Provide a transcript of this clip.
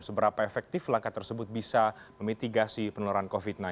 seberapa efektif langkah tersebut bisa memitigasi penularan covid sembilan belas